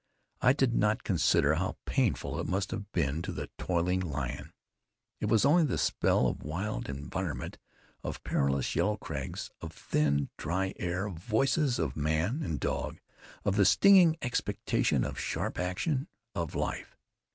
I did not consider how painful it must have been to the toiling lion. It was only the spell of wild environment, of perilous yellow crags, of thin, dry air, of voice of man and dog, of the stinging expectation of sharp action, of life.